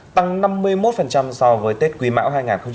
tăng năm mươi một so với tết quý mão hai nghìn hai mươi